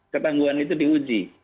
ketangguhan itu diuji